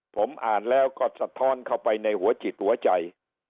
ผมอ่านแล้วก็สะท้อนเข้าไปในหัวจิตหัวใจ